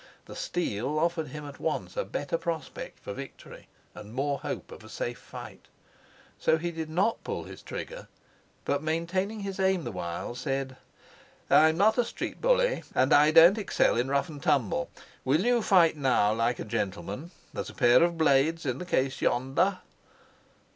The steel offered him at once a better prospect for victory and more hope of a safe fight. So he did not pull his trigger, but, maintaining his aim the while, said: "I'm not a street bully, and I don't excel in a rough and tumble. Will you fight now like a gentleman? There's a pair of blades in the case yonder."